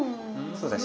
そうですね